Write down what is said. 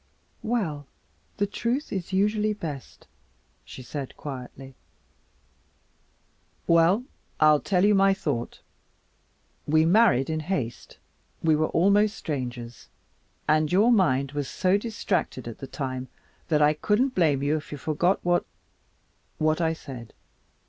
"Well, the truth is usually best," she said quietly. "Well, I'll tell you my thought. We married in haste, we were almost strangers, and your mind was so distracted at the time that I couldn't blame you if you forgot what what I said.